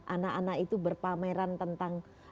anak anak itu berpameran tentang